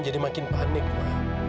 jadi makin panik ma